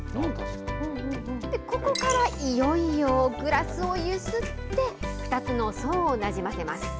ここからいよいよグラスをゆすって、２つの層をなじませます。